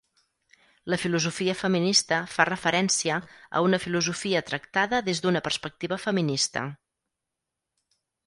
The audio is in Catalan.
La filosofia feminista fa referència a una filosofia tractada des d'una perspectiva feminista.